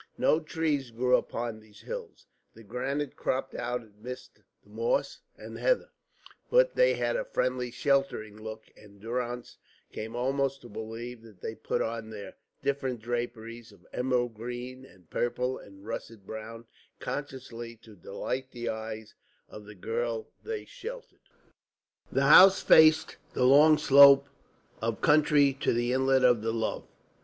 No trees grew upon those hills, the granite cropped out amidst the moss and heather; but they had a friendly sheltering look, and Durrance came almost to believe that they put on their different draperies of emerald green, and purple, and russet brown consciously to delight the eyes of the girl they sheltered. The house faced the long slope of country to the inlet of the Lough.